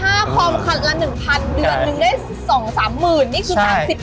เดือนหนึ่งได้๒๓หมื่นนี่คือ๓๐คัน